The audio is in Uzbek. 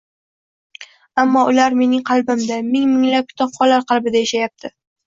Ammo ular mening qalbimda, ming-minglab kitobxonlar qalbida yashayapti